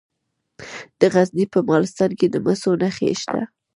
د غزني په مالستان کې د مسو نښې شته.